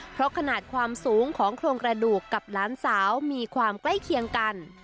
เพราะขนาดความสูงของโครงกระดูกกับหลานสาวมีความใกล้เคียงกัน